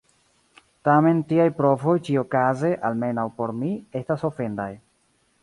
Tamen tiaj provoj ĉi-okaze, almenaŭ por mi, estas ofendaj.